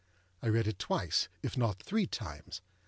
I read it twice, if not three times.